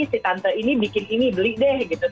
si tante ini bikin ini beli deh gitu